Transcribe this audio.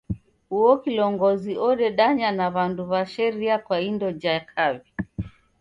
Uo kilongozi odedanya na w'andu w'a sheria kwa indo ja kaw'i.